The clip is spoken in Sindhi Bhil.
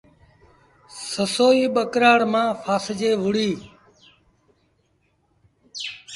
سسئيٚ ٻڪرآڙ مآݩ ڦآسجي وُهڙي۔